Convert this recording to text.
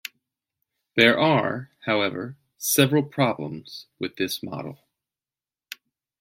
There are, however, several problems with this model.